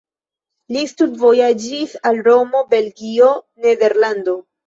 Li studvojaĝis al Romo, Belgio, Nederlando.